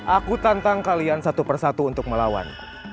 aku tantang kalian satu persatu untuk melawan